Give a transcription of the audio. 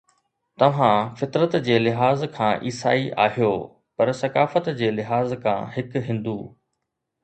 توهان فطرت جي لحاظ کان عيسائي آهيو، پر ثقافت جي لحاظ کان هڪ هندو